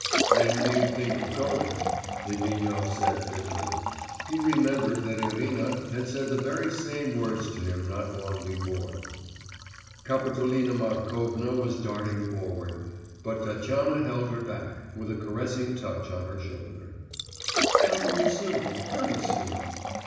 'When do you think of going?' Litvinov said thickly. He remembered that Irina had said the very same words to him not long before. Kapitolina Markovna was darting forward, but Tatyana held her back, with a caressing touch on her shoulder. 'Probably soon, very soon.